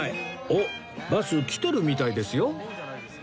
おっバス来てるみたいですよ